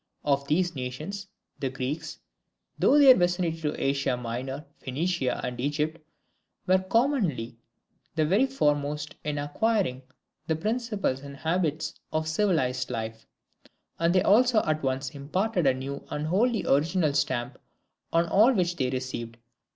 Of these nations, the Greeks, through their vicinity to Asia Minor, Phoenicia, and Egypt, were among the very foremost in acquiring the principles and habits of civilized life; and they also at once imparted a new and wholly original stamp on all which they received.